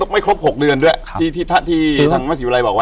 ไม่ครบหกเดือนด้วยครับที่ท่าที่ทำแม่สีวิรัยบอกว่า